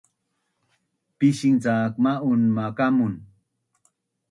pising cak ma’un makamun